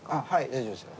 大丈夫ですよ。